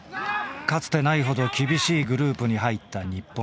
かつてないほど厳しいグループに入った日本。